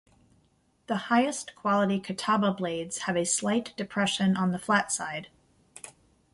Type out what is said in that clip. The highest quality "kataba" blades have a slight depression on the flat side.